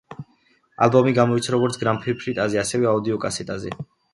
ალბომი გამოიცა როგორც გრამფირფიტაზე, ასევე აუდიოკასეტაზე.